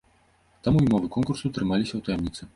Таму і ўмовы конкурсу трымаліся ў таямніцы.